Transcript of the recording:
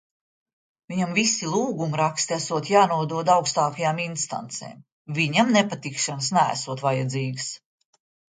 Viņam visi "lūgumraksti" esot jānodod augstākajām instancēm. Viņam nepatikšanas neesot vajadzīgas.